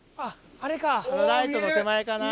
あのライトの手前かな。